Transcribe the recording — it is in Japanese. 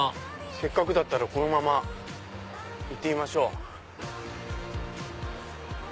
せっかくだったらこのまま行ってみましょう。